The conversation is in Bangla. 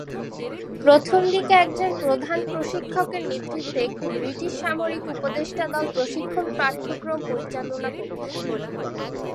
প্রথম দিকে একজন প্রধান প্রশিক্ষকের নেতৃত্বে একটি ব্রিটিশ সামরিক উপদেষ্টা দল প্রশিক্ষণ পাঠ্যক্রম পরিচালনা করতেন।